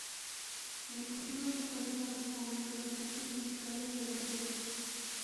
El objetivo de la página fue cubrir los aspectos musicales de las series.